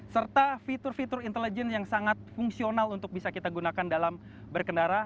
serta fitur fitur intelijen yang sangat fungsional untuk bisa kita gunakan dalam berkendara